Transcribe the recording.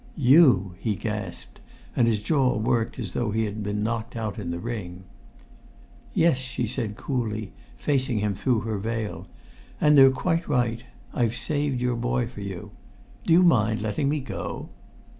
"You!" he gasped, and his jaw worked as though he had been knocked out in the ring. "Yes," she said coolly, facing him through her veil; "and they're quite right I've saved your boy for you. Do you mind letting me go?"